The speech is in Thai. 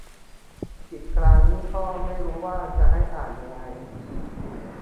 ขีดกลางนี่ก็ไม่รู้ว่าจะให้อ่านยังไง